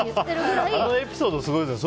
あのエピソードすごいね。